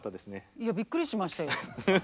いやびっくりしましたよ。